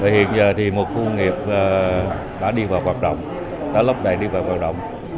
hiện giờ thì một khu nghiệp đã đi vào hoạt động đã lốc đại đi vào hoạt động